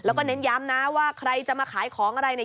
แล้วก็เน้นย้ำนะว่าใครจะมาขายของอะไรเนี่ย